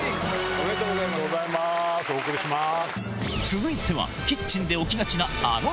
おめでとうございますお送りします。